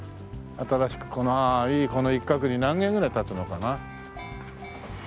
新しくあこの一角に何軒ぐらい建つのかな？